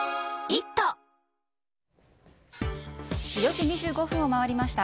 ４時２５分を回りました。